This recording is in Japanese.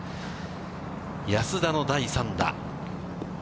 安田の第３打。